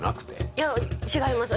いや違います